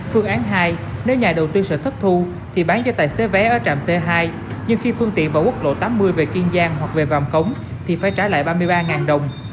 phương án hai nếu nhà đầu tư sợ thất thu thì bán cho tài xế vé ở trạm t hai nhưng khi phương tiện vào quốc lộ tám mươi về kiên giang hoặc về vàm cống thì phải trả lại ba mươi ba đồng